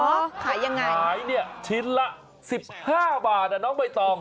ขายยังไงขายเนี่ยชิ้นละ๑๕บาทอ่ะน้องใบตอง